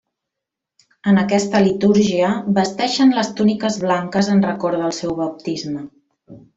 En aquesta litúrgia vesteixen les túniques blanques en record del seu baptisme.